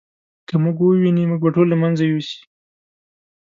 که موږ وویني موږ به ټول له منځه یوسي.